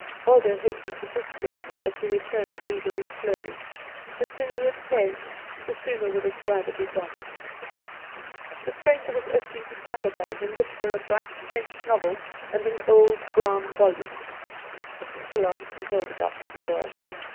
Waldo hastened to fetch the animal; but he returned leading it slowly. The sooner it came the sooner would its rider be gone. The stranger was opening his saddlebag, in which were a bright French novel and an old brown volume. He took the last and held it out to the boy.